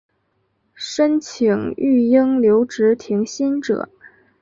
申请育婴留职停薪者